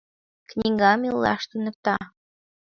Книга илаш туныкта.